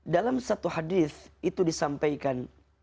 dalam satu hadith itu disampaikan